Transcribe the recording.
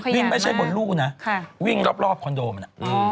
ไม่ใช่บนลูกนะวิ่งรอบคอนโดมัน